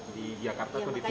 di jakarta atau di singapura